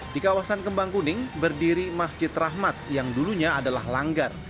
di kawasan kembang kuning berdiri masjid rahmat yang dulunya adalah langgar